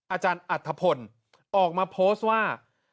อาจารย์อัธพลออกมาโพสต์ว่า